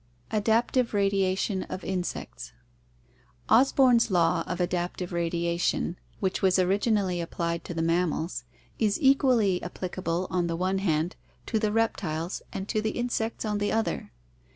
Adaptive Radiation of Insects Osborn's law of adaptive radiation (see Chapter XVIII), which was originally applied to the mammals, is equally applicable on the one hand to the reptiles and to the insects on the other.